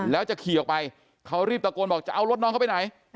แล้วจะขี่ออกไปเขารีบตะโกนบอกจะเอารถน้องเขาไปไหน